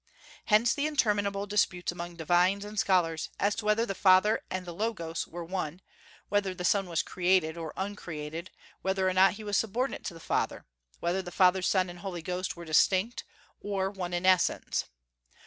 Hence interminable disputes among divines and scholars, as to whether the Father and the Logos were one; whether the Son was created or uncreated; whether or not he was subordinate to the Father; whether the Father, Son, and Holy Ghost were distinct, or one in essence.